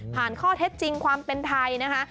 ข้อเท็จจริงความเป็นไทยนะคะ